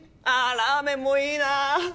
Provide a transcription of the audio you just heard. ああラーメンもいいな！